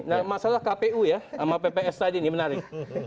nah masalah kpu ya sama pps tadi ini menarik